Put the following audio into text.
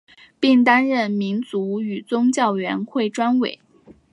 并担任民族和宗教委员会专委。